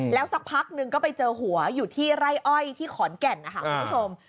แล้วสักพักหนึ่งก็ไปเจอหัวอยู่ที่ไร่อ้อยที่ขอนแก่นนะคะคุณผู้ชม